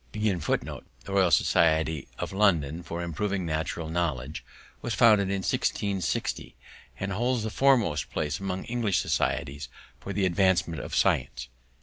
The Royal Society of London for Improving Natural Knowledge was founded in 1660 and holds the foremost place among English societies for the advancement of science.